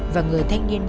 và người thanh niên